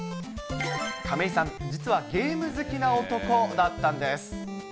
亀井さん、実はゲーム好きな男だったんです。